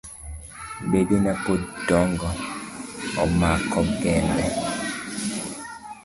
Bedena pod dongo amako gembe.